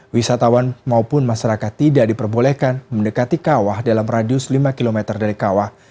wisatawan maupun masyarakat tidak diperbolehkan mendekati kawah dalam radius lima km dari kawah